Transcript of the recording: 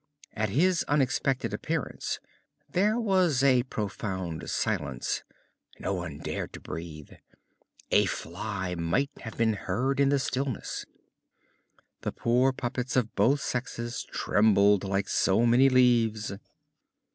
At his unexpected appearance there was a profound silence: no one dared to breathe. A fly might have been heard in the stillness. The poor puppets of both sexes trembled like so many leaves.